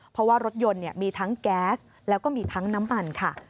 เพราะว่ารถยนต์มีทั้งแก๊สแล้วก็มีทั้งน้ำมันค่ะ